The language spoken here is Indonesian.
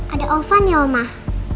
ada ovan ya omah